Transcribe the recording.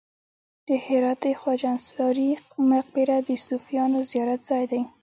د هرات د خواجه انصاري مقبره د صوفیانو زیارت ځای دی